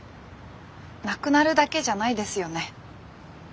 なくなるだけじゃないですよね。